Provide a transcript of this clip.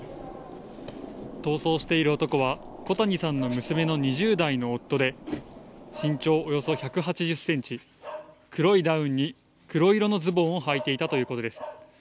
逃走している男は、小谷さんの娘の２０代の夫で、身長およそ１８０センチ、黒いダウンに黒色のズボンをはいていたということです。